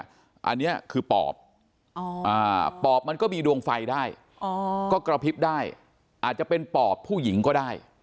อันนี้คือปอบปอบมันก็มีดวงไฟได้ก็กระพริบได้อาจจะเป็นปอบผู้หญิงก็ได้